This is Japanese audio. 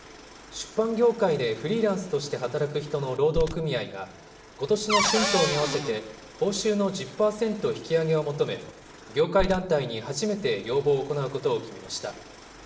出版業界でフリーランスとして働く人の労働組合が、ことしの春闘に合わせて、報酬の１０％引き上げを求め、業界団体に初めて要望を行うことを決めました。